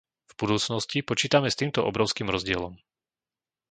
V budúcnosti počítame s týmto obrovským rozdielom.